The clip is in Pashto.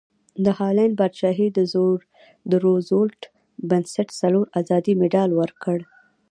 د هالنډ پادشاهي د روزولټ بنسټ څلور ازادۍ مډال ورکړ.